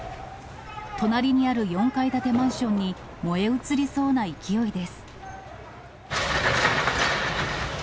隣にある４階建てマンションに燃え移りそうな勢いです。